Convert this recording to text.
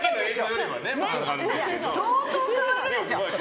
相当変わるでしょ！